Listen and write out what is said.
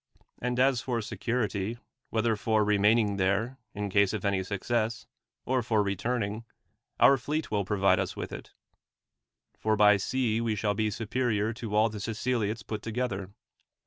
And as for security, whether for remaining there, in case of any success, or for returning, our fleet will provide us with it ; for by sea we shall be superior to all the Siceliots put together.